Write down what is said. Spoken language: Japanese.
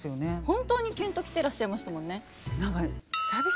本当にキュンと来てらっしゃいましたもんね。